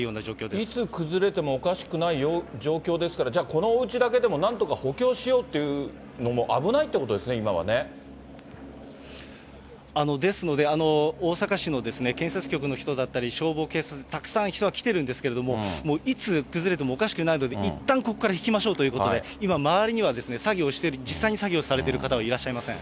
いつ崩れてもおかしくないような状況ですから、じゃあ、このおうちだけでもなんとか補強しようっていうのも危ないってことでですので、大阪市の建設局の人だったり、消防、警察、たくさん人が出てるんですけれども、いつ崩れてもおかしくないので、いったんここから引きましょうということで、今、周りには作業をしている、実際に作業をされている方はいらっしゃいません。